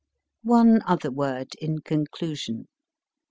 One other word in conclusion.